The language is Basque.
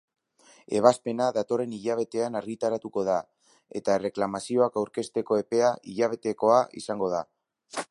Ebazpena datorren hilabetean argitaratuko da, eta erreklamazioak aurkezteko epea hilabetekoa izango da.